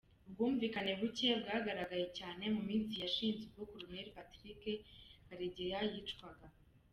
Ubwumvikane buke bwagaragaye cyane mu minsi yashize ubwo Colonel Patrick Karegeya yicwaga.